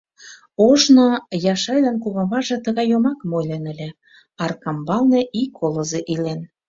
Ожно Яшайлан куваваже тыгай йомакым ойлен ыле: «Аркамбалне ик колызо илен.